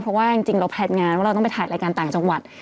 เพราะว่าจริงเราผลัติงานว่าต้องถ่ายรายการออกไปต่างจังหวัด